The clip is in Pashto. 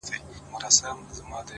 پوهه د انسان فکر ته ژورتیا وربښي.!